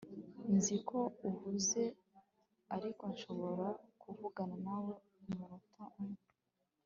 Nzi ko uhuze ariko nshobora kuvugana nawe umunota umwe